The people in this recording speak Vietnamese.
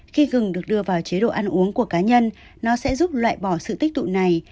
khi gừng được đưa vào chế độ ăn uống của cá nhân nó sẽ giúp loại bỏ sự tích tụ này